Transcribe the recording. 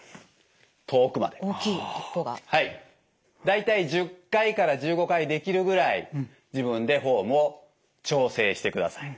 大体１０回から１５回できるぐらい自分でフォームを調整してください。